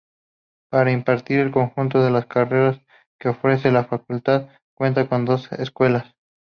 Para impartir el conjunto de carreras que ofrece, la Facultad cuenta con dos escuelas.